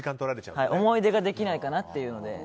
思い出ができないかなというので。